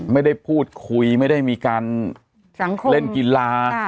ไม่ได้พูดคุยไม่ได้มีการเล่นกีฬา